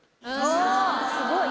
あすごい！